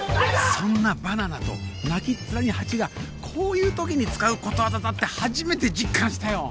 「そんなバナナ」と「泣きっ面に蜂」がこういうときに使うことわざだと初めて実感したよ